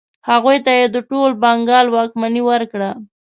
هغوی ته یې د ټول بنګال واکمني ورکړه.